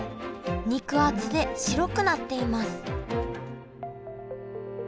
肉厚で白くなっています